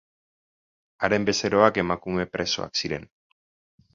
Haren bezeroak emakume presoak ziren.